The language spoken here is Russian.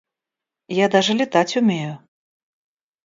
Я даже летать умею.